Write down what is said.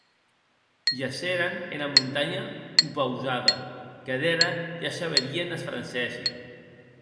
Gesseren ena montanha opausada, que d’era ja se vedien es francesi.